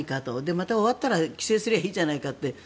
また終わったら規制すればいいじゃないかって。